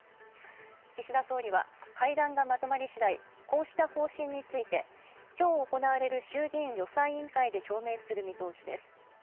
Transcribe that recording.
岸田総理は会談がまとまりしだい、こうした方針について今日行われる衆議院予算委員会で表明する見通しです。